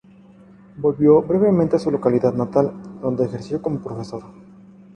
Volvió brevemente a su localidad natal, donde ejerció como profesor.